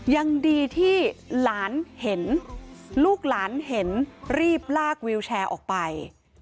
ยังดีที่ลูกหลานเห็นรีบลากวิวแชร์ออกไป